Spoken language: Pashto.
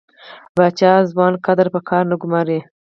پاچا ځوان کدر په کار نه ګماري .